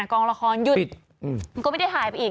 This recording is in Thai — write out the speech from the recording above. กองละครหยุดมันก็ไม่ได้หายไปอีก